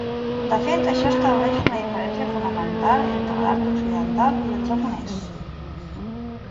De fet, això estableix una diferència fonamental entre l'art occidental i el japonès.